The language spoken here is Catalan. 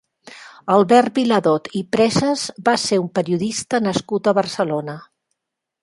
Albert Viladot i Presas va ser un periodista nascut a Barcelona.